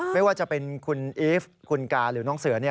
ไม่ว่าจะเป็นคุณอีฟคุณกาหรือน้องเสือ